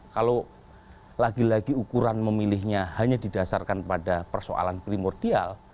kalau lagi lagi ukuran memilihnya hanya didasarkan pada persoalan primordial